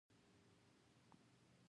د قوانینو په وړاندې د ټولو خلکو برابري ده.